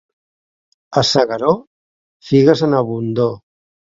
A S'Agaró, figues en abundor.